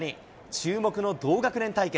注目の同学年対決。